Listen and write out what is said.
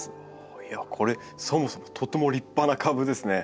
これそもそもとても立派な株ですね。